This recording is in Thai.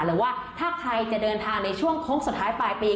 หรือว่าถ้าใครจะเดินทางในช่วงโค้งสุดท้ายปลายปี